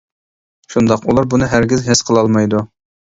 شۇنداق، ئۇلار بۇنى ھەرگىز ھېس قىلالمايدۇ.